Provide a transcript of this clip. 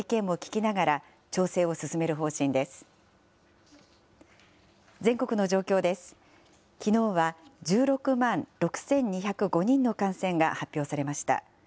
きのうは、１６万６２０５人の感染が発表されました。